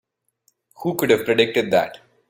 Who could have predicted that?